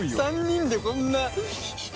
３人でこんな。